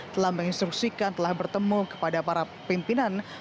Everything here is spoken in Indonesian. telah menginstruksikan telah bertemu kepada para pimpinan